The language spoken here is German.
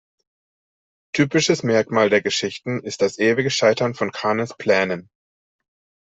Typisches Merkmal der Geschichten ist das ewige Scheitern von Kanes Plänen.